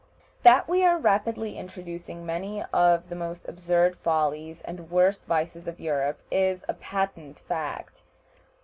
That we are rapidly introducing many of the most absurd follies and worst vices of Europe is a patent fact.